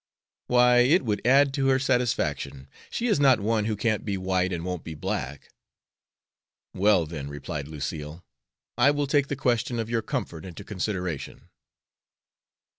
"Why, it would add to her satisfaction. She is not one who can't be white and won't be black." "Well, then," replied Lucille, "I will take the question of your comfort into consideration."